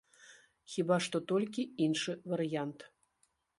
Хіба што толькі іншы варыянт.